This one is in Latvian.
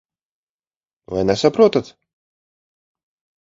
Vai nesaprotat?